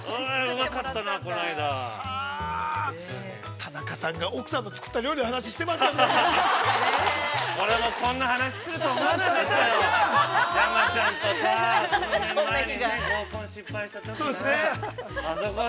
田中さんが奥さんの作った料理の話をしていますよ、皆さん。